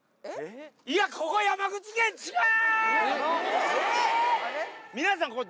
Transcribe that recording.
いや、ここ山口県違う！